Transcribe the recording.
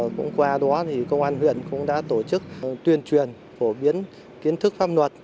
cũng qua đó công an huyện cũng đã tổ chức tuyên truyền phổ biến kiến thức pháp luật